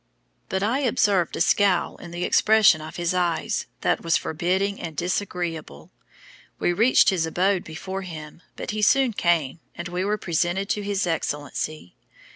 But I observed a scowl in the expression of his eyes, that was forbidding and disagreeable. We reached his abode before him, but he soon came, and we were presented to his excellency.